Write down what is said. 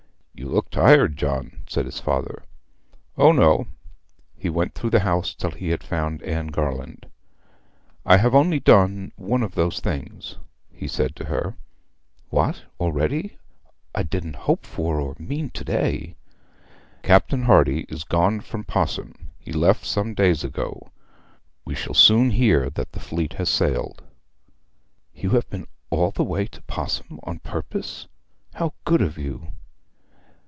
'You look tired, John,' said his father. 'O no.' He went through the house till he had found Anne Garland. 'I have only done one of those things,' he said to her. 'What, already! I didn't hope for or mean to day.' 'Captain Hardy is gone from Pos'ham. He left some days ago. We shall soon hear that the fleet has sailed.' 'You have been all the way to Pos'ham on purpose? How good of you!'